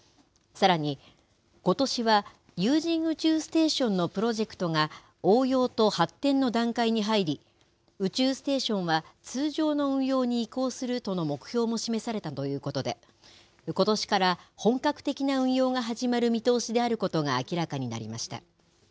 さらに、ことしは有人宇宙ステーションのプロジェクトが応用と発展の段階に入り、宇宙ステーションは通常の運用に移行するとの目標も示されたということで、ことしから本格的な運用が始まる見通しであることが明らかになりました。